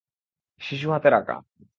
শিশু হাতের আঁকা।